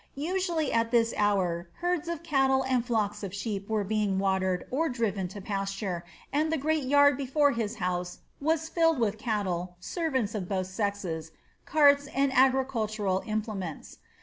Usually at this hour herds of cattle and flocks of sheep were being watered or driven to pasture and the great yard before his house was filled with cattle, servants of both sexes, carts, and agricultural implements.